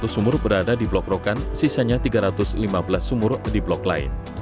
satu sumur berada di blok rokan sisanya tiga ratus lima belas sumur di blok lain